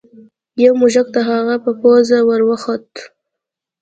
یو موږک د هغه په پوزه ور وخوت.